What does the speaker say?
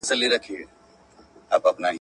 شبکه د بند له لارې چلېده.